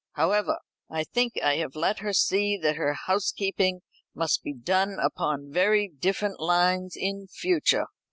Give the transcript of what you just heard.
However, I think I have let her see that her housekeeping must be done upon very different lines in future."